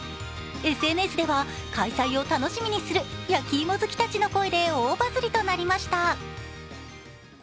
ＳＮＳでは、開催を楽しみにする焼き芋好きたちの声で大バズりとなりました。